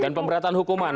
dan pemberatan hukuman